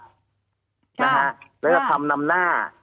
นะฮะแล้วก็คำนำหน้า